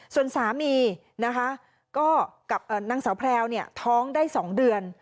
ส่วนสามีนะคะก็กับนางสาวแพรวท้องได้๒เดือน